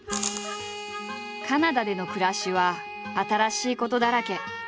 カナダでの暮らしは新しいことだらけ。